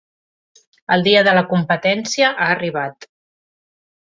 El dia de la competència ha arribat.